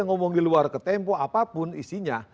ngomong di luar ke tempo apapun isinya